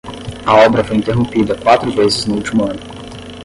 A obra foi interrompida quatro vezes no último ano